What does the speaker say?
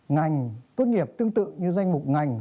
ngành tuyển nghiệp tương tự như danh mục ngành